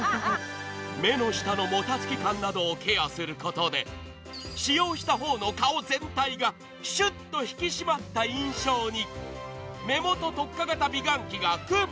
目の下のもたつき感などをケアしたことで使用した方の顔全体がシュッと引き締まった印象に。